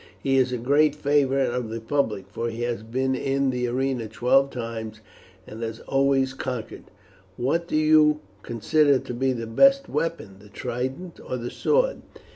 He is a great favourite of the public, for he has been in the arena twelve times and has always conquered." "What do you consider to be the best weapon the trident or the sword?"